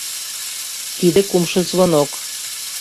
Тиде кумшо звонок.